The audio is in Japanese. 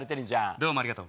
どうもありがとう。